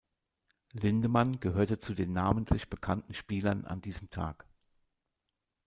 Lindemann gehörte zu den namentlich bekannten Spielern an diesem Tag.